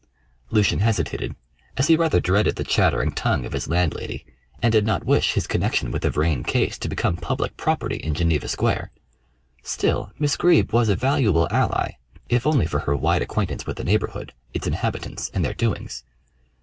Lucian hesitated, as he rather dreaded the chattering tongue of his landlady, and did not wish his connection with the Vrain case to become public property in Geneva Square. Still, Miss Greeb was a valuable ally, if only for her wide acquaintance with the neighbourhood, its inhabitants, and their doings.